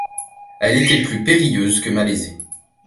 Elle était plus périlleuse que malaisée.